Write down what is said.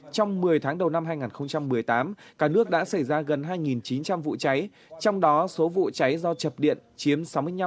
trong một mươi tháng đầu năm hai nghìn một mươi tám cả nước đã xảy ra gần hai chín trăm linh vụ cháy trong đó số vụ cháy do chập điện chiếm sáu mươi năm